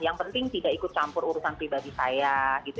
yang penting tidak ikut campur urusan pribadi saya gitu